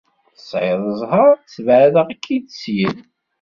Tesɛiḍ ẓẓher ssbeɛdeɣ-k-id syin.